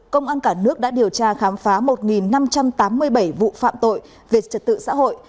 công an cả nước đã điều tra khám phá một năm trăm tám mươi bảy vụ phạm tội về trật tự xã hội